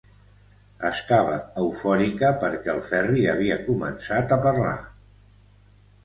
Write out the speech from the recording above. Estava eufòrica perquè el Ferri havia començat a parlar.